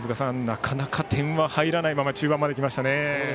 なかなか点が入らないまま中盤まできましたね。